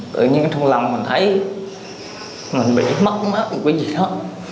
tự nhiên trong lòng mình thấy mình bị mất mất của cái gì đó